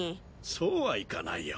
そうはいかないよ。